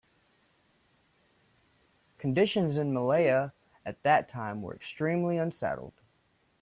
Conditions in Malaya at that time were extremely unsettled.